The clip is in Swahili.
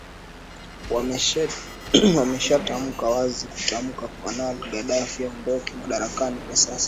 wamesha tamka wazi kumtaka kanali gaddafi aondoke madarakani kwa sasa